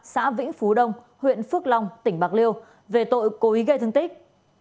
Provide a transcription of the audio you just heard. xã vĩnh phú đông huyện phước long tỉnh bạc liêu về tội cố ý gây thương tích